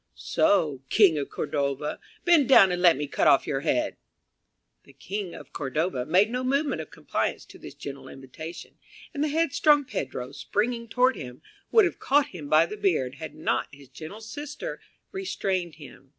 "So, King of Cordova, bend down and let me cut off your head." The "King of Cordova" made no movement of compliance to this gentle invitation, and the head strong Pedro, springing toward him, would have caught him by the beard, had not his gentle sister restrained him.